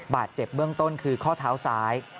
บาดเจ็บเบื้องต้นคือข้อเท้าซ้าย